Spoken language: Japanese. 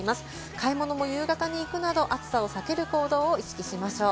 買い物は夕方に行くなど、暑さを避ける行動をとりましょう。